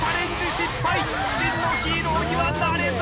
失敗真のヒーローにはなれず！